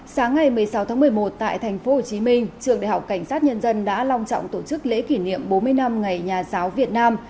sáng ngày một mươi sáu tháng một mươi một tại thành phố hồ chí minh trường đại học cảnh sát nhân dân đã long trọng tổ chức lễ kỷ niệm bốn mươi năm ngày nhà giáo việt nam